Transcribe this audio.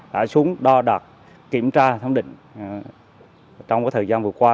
đã xuống đo đạt kiểm tra thám định trong thời gian vừa qua